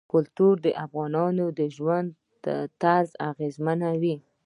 کلتور د افغانانو د ژوند طرز اغېزمنوي.